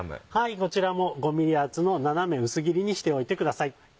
こちらも５ｍｍ厚の斜め薄切りにしておいてください。